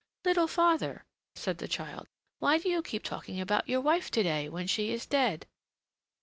"Little father," said the child, "why do you keep talking about your wife to day, when she is dead?"